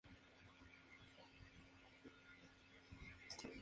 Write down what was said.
Si se ingiere es malo para la salud.